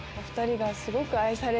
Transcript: お２人がすごく。